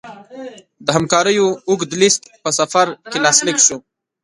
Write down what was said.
د همکاریو اوږد لېست په سفر کې لاسلیک شو.